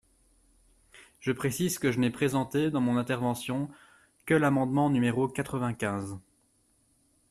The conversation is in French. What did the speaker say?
Je précise que je n’ai présenté, dans mon intervention, que l’amendement numéro quatre-vingt-quinze.